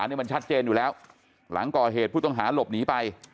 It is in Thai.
นี่มันชัดเจนอยู่แล้วหลังก่อเหตุผู้ต้องหาหลบหนีไป